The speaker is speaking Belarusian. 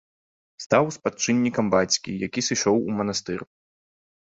Стаў спадчыннікам бацькі, які сышоў у манастыр.